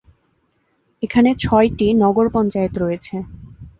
এখানে ছয়টি নগর পঞ্চায়েত রয়েছে।